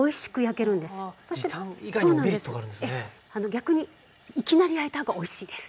逆にいきなり焼いた方がおいしいです。